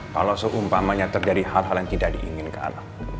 kalau seumpamanya terjadi hal hal yang tidak diinginkan